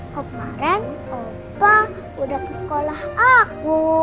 kemaren opah udah ke sekolah aku